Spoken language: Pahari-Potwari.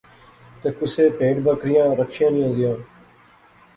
تے کُسے پہید بکریاں رکھیاں نیاں زیاں